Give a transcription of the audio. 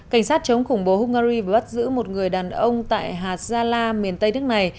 cảnh sát chống khủng bố hungary bắt giữ một người đàn ông tại hà gia la